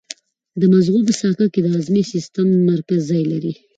د مغزو په ساقه کې د هضمي سیستم مرکز ځای لري.